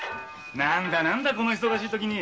何だ何だこの忙しいときに。